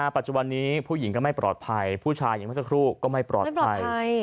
ปัจจุบันนี้ผู้หญิงก็ไม่ปลอดภัยผู้ชายอย่างเมื่อสักครู่ก็ไม่ปลอดภัย